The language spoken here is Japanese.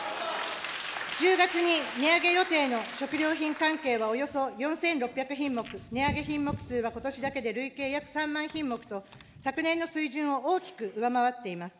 １０月に値上げ予定の食料品関係はおよそ４６００品目、値上げ品目数はことしだけで累計約３万品目と、昨年の水準を大きく上回っています。